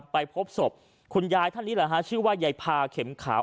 ไปพบศพคุณยายท่านนี้ชื่อว่ายายพาเขียมขาว